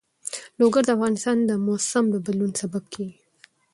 لوگر د افغانستان د موسم د بدلون سبب کېږي.